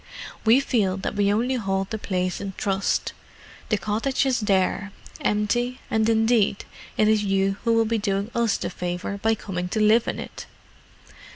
"We feel that we only hold the place in trust; the cottage is there, empty, and indeed it is you who will be doing us the favour by coming to live in it."